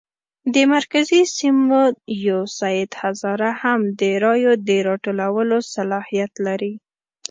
د مرکزي سیمو یو سید هزاره هم د رایو د راټولولو صلاحیت لري.